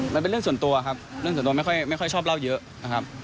มันเป็นเรื่องส่วนตัวครับเรื่องส่วนตัวไม่ค่อยชอบเล่าเยอะนะครับ